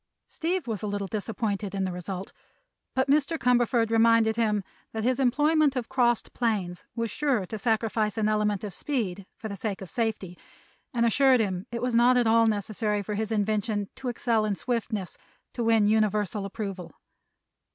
Steve was a little disappointed in the result, but Mr. Cumberford reminded him that his employment of crossed planes was sure to sacrifice an element of speed for the sake of safety, and assured him it was not at all necessary for his invention to excel in swiftness to win universal approval.